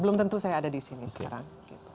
belum tentu saya ada di sini sekarang